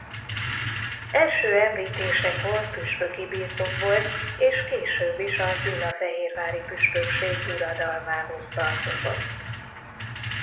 Első említésekor püspöki birtok volt és később is a gyulafehérvári püspökség uradalmához tartozott.